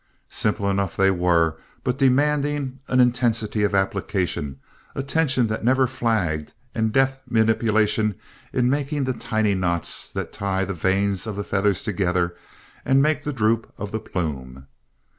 Simple enough they were, but demanding an intensity of application, attention that never flagged, and deft manipulation in making the tiny knots that tie the vanes of the feather together and make the droop of the plume.